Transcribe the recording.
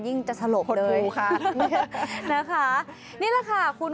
ยิ่งจะสลบเลย